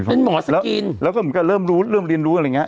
เป็นหมอสกินแล้วก็เริ่มรู้เริ่มเรียนรู้อะไรอย่างนี้